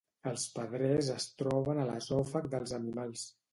Els pedrers es troben en l'esòfag dels animals.